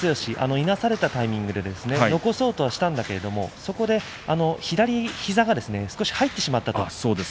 いなされたタイミングで残そうとしたんだけれどもそこで左膝が少し入ってしまったという話です。